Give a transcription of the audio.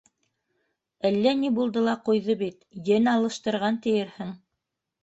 Әллә ни булды ла ҡуйҙы бит, ен алыштырған тиерһең...